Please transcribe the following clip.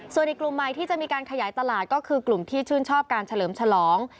ส่วนอีกกลุ่มใหม่ที่จะมีการขยายตลาดก็คือกลุ่มที่ชื่นชอบการเฉลิมฉลอง